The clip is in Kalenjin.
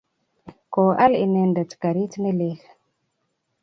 Koal inendet karit ne lel.